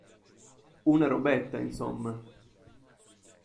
Una robetta, insomma.